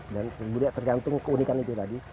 dan tergantung keunikan itu tadi